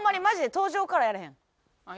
登場からやらへんって。